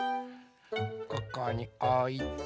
ここにおいて。